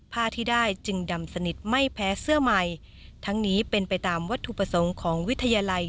ผ้าที่ได้จึงดำสนิทไม่แพ้เสื้อใหม่ทั้งนี้เป็นไปตามวัตถุประสงค์ของวิทยาลัย